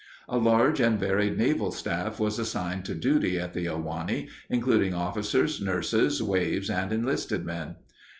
A large and varied naval staff was assigned to duty at the Ahwahnee, including officers, nurses, Waves, and enlisted men.